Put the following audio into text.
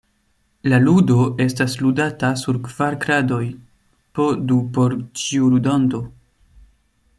La ludo estas ludata sur kvar kradoj, po du por ĉiu ludanto.